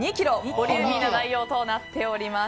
ボリューミーな内容となっています。